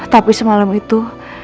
tapi semalam itu